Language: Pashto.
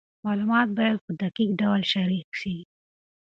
معلومات باید په دقیق ډول شریک سي.